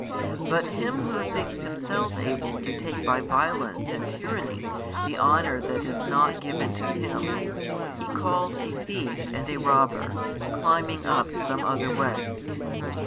But him who thinks himself able to take by violence and tyranny the honour that is not given to him, He calls a thief and a robber, climbing up some other way.